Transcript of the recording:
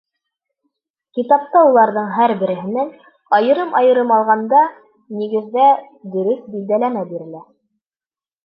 Китапта уларҙың һәр береһенән, айырым-айырым алғанда, нигеҙҙә, дөрөҫ билдәләмә бирелә.